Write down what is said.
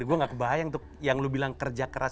gue gak kebayang tuh yang lo bilang kerja keras